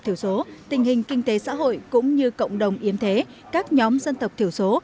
thiểu số tình hình kinh tế xã hội cũng như cộng đồng yếm thế các nhóm dân tộc thiểu số